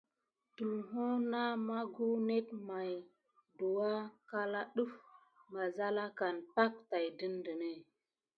Tulho na maku net maye dukua kala def mazalakane pay tät de.